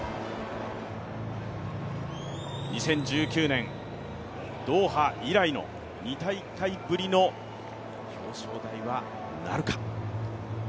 ２０１９年ドーハ以来の２大会ぶりの表彰台はなるか。